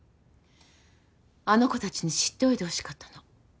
あの子たちに知っておいてほしかったの。